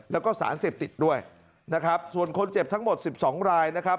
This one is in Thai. แล้วก็สารเสพติดด้วยนะครับส่วนคนเจ็บทั้งหมด๑๒รายนะครับ